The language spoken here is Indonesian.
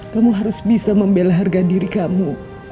kamu harus bisa membela harga diri kamu